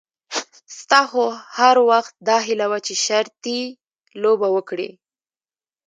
ستا خو هر وخت داهیله وه چې شرطي لوبه وکړې.